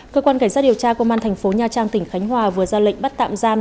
cơ quan cảnh sát điều tra công an thành phố nha trang tỉnh khánh hòa vừa ra lệnh bắt tạm giam